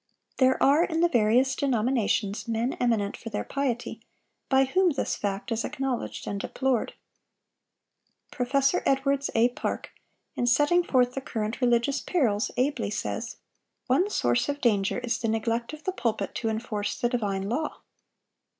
There are, in the various denominations, men eminent for their piety, by whom this fact is acknowledged and deplored. Prof. Edwards A. Park, in setting forth the current religious perils, ably says: "One source of danger is the neglect of the pulpit to enforce the divine law.